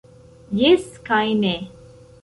Jes kaj ne.